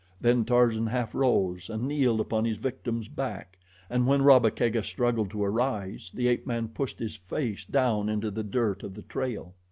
Then Tarzan half rose and kneeled upon his victim's back, and when Rabba Kega struggled to arise, the ape man pushed his face down into the dirt of the trail.